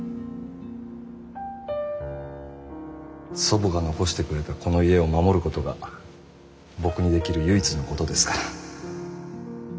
祖母が残してくれたこの家を守ることが僕にできる唯一のことですから。